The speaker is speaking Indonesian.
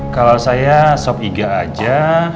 kalau saya sop iga aja